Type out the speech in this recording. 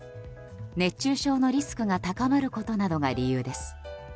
熱中症のリスクが高まることなどが理由です。